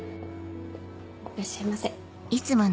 いらっしゃいませ。